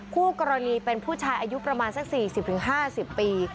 คู่กรณีเป็นผู้ชายอายุประมาณสัก๔๐๕๐ปี